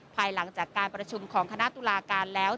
ภายหลังจากการประชุมของคณะตุลาการแล้ว